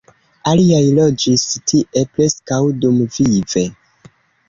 Aliaj loĝis tie preskaŭ dumvive.